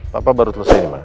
papa baru tersenyum